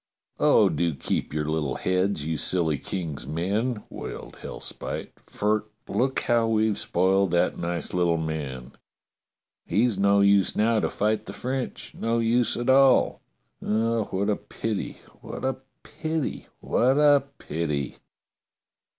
*' Oh, do keep your little heads, you silly King's men !'* wailed Hellspite, *'for look how we've spoiled that nice little man. He's no use now to fight the French, no use at all. Oh, what a pity, w^hat a pity, what a pity